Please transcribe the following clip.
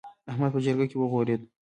احمد په جرګه کې وغورېد.